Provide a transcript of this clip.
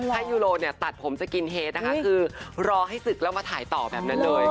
ถ้ายูโรเนี่ยตัดผมสกินเฮดนะคะคือรอให้ศึกแล้วมาถ่ายต่อแบบนั้นเลย